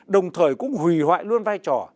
đồng thời cũng hủy hoại luôn vai trò